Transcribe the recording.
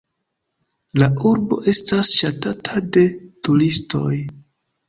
La urbo estas ŝatata de turistoj.